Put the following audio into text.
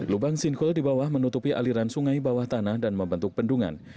lubang sinkel di bawah menutupi aliran sungai bawah tanah dan membentuk bendungan